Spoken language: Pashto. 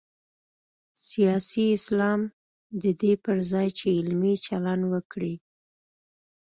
سیاسي اسلام د دې پر ځای چې علمي چلند وکړي.